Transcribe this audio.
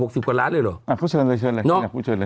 หกสิบกว่าร้านเลยหรออ่ะพูดเชิญเลยเชิญเลย